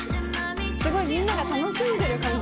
すごいみんなが楽しんでる感じが。